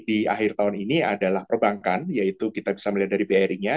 di akhir tahun ini adalah perbankan yaitu kita bisa melihat dari bri nya